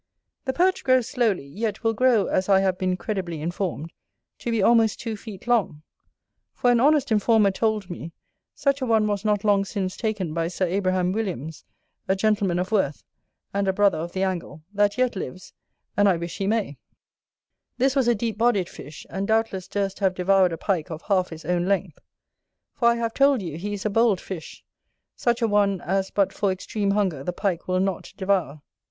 The Perch grows slowly, yet will grow, as I have been credibly informed, to be almost two feet long; for an honest informer told me, such a one was not long since taken by Sir Abraham Williams, a gentleman of worth, and a brother of the angle, that yet lives, and I wish he may: this was a deep bodied fish, and doubtless durst have devoured a Pike of half his own length. For I have told you, he is a bold fish; such a one as but for extreme hunger the Pike will not devour.